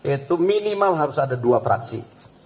itu minimal harus ada dua fraksi